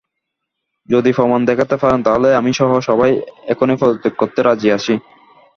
যদি প্রমাণ দেখাতে পারেন, তাহলে আমিসহ সবাই এখনই পদত্যাগ করতে রাজি আছি।